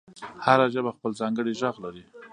هره ژبه خپل ځانګړی غږ لري.